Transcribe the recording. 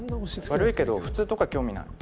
悪いけど「普通」とか興味ない。